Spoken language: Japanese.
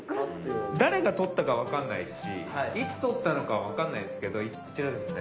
誰が撮ったかわかんないしいつ撮ったのかわかんないんですけどこちらですね。